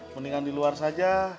mendingan di luar saja